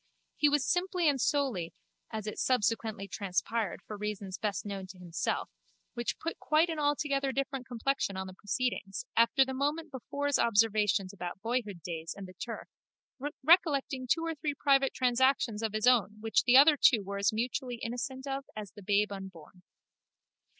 He was simply and solely, as it subsequently transpired for reasons best known to himself, which put quite an altogether different complexion on the proceedings, after the moment before's observations about boyhood days and the turf, recollecting two or three private transactions of his own which the other two were as mutually innocent of as the babe unborn.